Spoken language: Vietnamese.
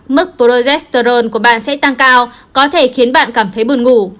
mức projetstorld của bạn sẽ tăng cao có thể khiến bạn cảm thấy buồn ngủ